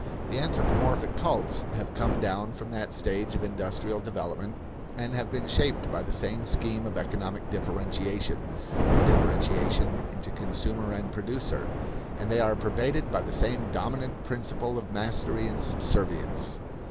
The anthropomorphic cults have come down from that stage of industrial development and have been shaped by the same scheme of economic differentiation a differentiation into consumer and producer and they are pervaded by the same dominant principle of mastery and subservience.